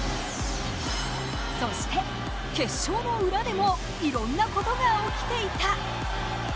そして決勝の裏でもいろんなことが起きていた。